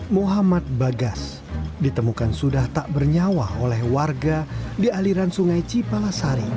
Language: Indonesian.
muhammad bagas ditemukan sudah tak bernyawa oleh warga di aliran sungai cipalasari